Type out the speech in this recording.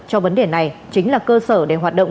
cho vấn đề này chính là cơ sở để hoạt động